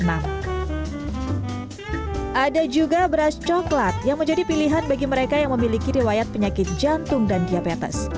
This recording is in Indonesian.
ada juga beras coklat yang menjadi pilihan bagi mereka yang memiliki riwayat penyakit jantung dan diabetes